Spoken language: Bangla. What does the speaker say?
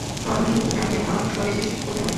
হরমুজানকে ধাওয়া করে শেষ করতে হবে।